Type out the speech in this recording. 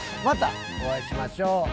またお会いしましょう。